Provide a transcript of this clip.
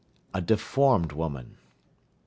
A deformed woman. 38.